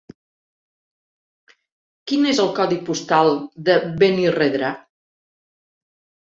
Quin és el codi postal de Benirredrà?